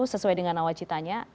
sesuai dengan nawacitanya